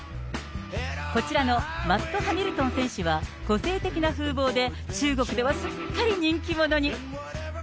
こちらのマット・ハミルトン選手は、個性的な風貌で中国ではすっかり人気者に。